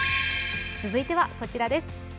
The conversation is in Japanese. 続いてはこちらです。